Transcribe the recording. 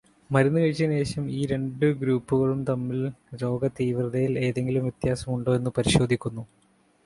മരുന്ന് കഴിച്ചതിനു ശേഷം ഈ രണ്ടു ഗ്രൂപ്പുകളും തമ്മിൽ രോഗതീവ്രതയില് എന്തെങ്കിലും വ്യത്യാസമുണ്ടോ എന്ന് പരിശോധിക്കുന്നു.